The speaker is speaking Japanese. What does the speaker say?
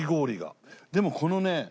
でもこのね。